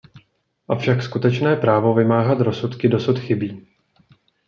Avšak skutečné právo vymáhat rozsudky dosud chybí.